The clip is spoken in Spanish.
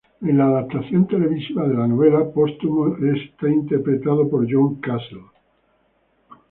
En la adaptación televisiva de la novela, Póstumo es interpretado por John Castle.